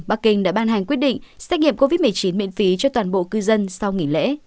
bắc kinh đã ban hành quyết định xét nghiệm covid một mươi chín miễn phí cho toàn bộ cư dân sau nghỉ lễ